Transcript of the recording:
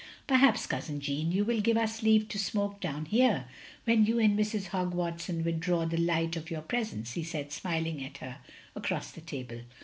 "Perhaps, Cotisin Jeanne, you will give us leave to smoke down here, when you and Mrs. Hogg Watson withdraw the light of your pres ence, '* he said, smiling at her across the table.